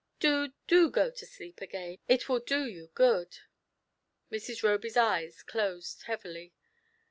Do, do go to sleep again ; it will do you good." Mrs. Roby's eyes closed heavily.